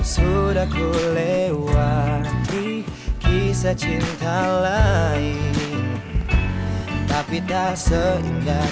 sekarang istirahat ya